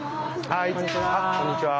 こんにちは。